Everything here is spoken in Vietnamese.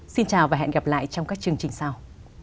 xin chào và hẹn gặp lại trong các chương trình sau